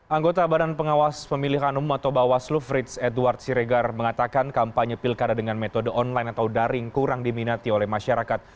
anggota badan pengawas pemilihan umum atau bawaslu fritz edward siregar mengatakan kampanye pilkada dengan metode online atau daring kurang diminati oleh masyarakat